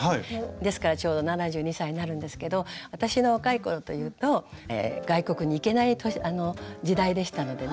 ですからちょうど７２歳になるんですけど私の若い頃というと外国に行けない時代でしたのでね